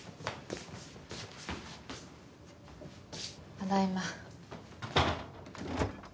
・ただいま。